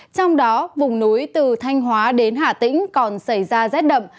trong đó vùng núi từ thanh hóa đến hà tĩnh còn xảy ra rét đậm